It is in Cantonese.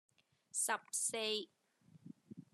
十四